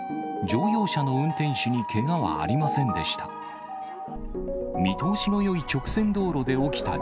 乗用車の運転手にけがはありませんでした。